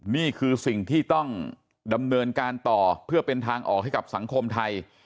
นี่คือสิ่งที่ต้องดำเนินการต่อเพื่อเป็นทางออกให้กับสังคมไทย